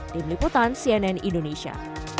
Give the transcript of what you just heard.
tim liputan cnn indonesia